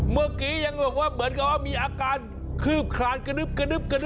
เมื่อกี้ยังบอกว่าเหมือนกับว่ามีอาการคืบคลานกระดึบ